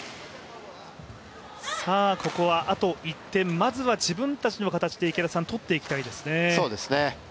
ここは、あと１点まずは自分たちの形でそうですね。